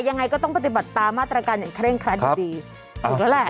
ยังไงก็ต้องปฏิบัติตามมาตรการอย่างคร่าดีครับถูกแล้ว